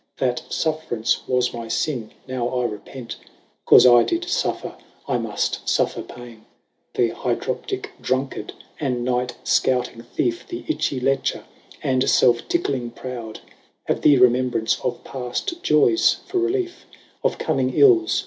That fufFerance was my mine; now I repent; 'Caufe I did fufFer I muft fufFer paine. Th'hydroptique drunkard, and night fcouting thiefe, The itchy Lecher, and felfe tickling proud 10 Have the remembrance of pad joyes, for reliefe Of comming ills.